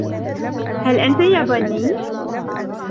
هل أنت ياباني ؟